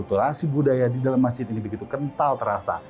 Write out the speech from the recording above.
tolasi budaya di dalam masjid ini begitu kental terasa